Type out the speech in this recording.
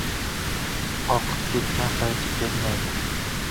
• Oqib ketgan qaytib kelmaydi.